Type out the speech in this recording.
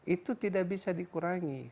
itu tidak bisa dikurangi